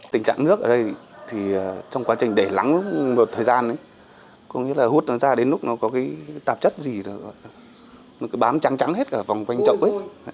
tình trạng nước ở đây thì trong quá trình để lắng một thời gian hút nó ra đến lúc nó có tạp chất gì nó cứ bám trắng trắng hết cả vòng quanh chậu